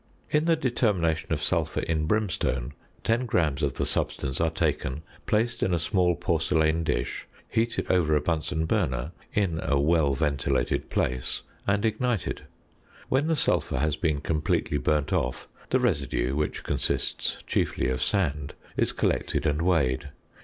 In the determination of sulphur in brimstone, 10 grams of the substance are taken, placed in a small porcelain dish, heated over a Bunsen burner in a well ventilated place, and ignited. When the sulphur has been completely burnt off, the residue (which consists chiefly of sand) is collected and weighed.